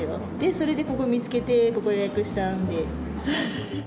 それでここ見つけて、ここ予約したんで。